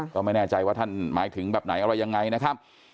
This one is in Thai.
ก็ไม่แน่ใจว่าท่านหมายถึงแบบไหนอะไรยังไงนะครับ